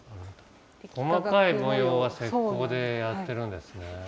細かい模様は石こうでやってるんですね。